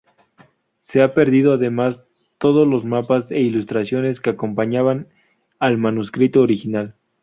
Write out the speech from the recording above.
Se han perdido además todos los mapas e ilustraciones que acompañaban al manuscrito original.